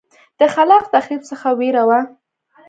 د خلاق تخریب څخه وېره وه.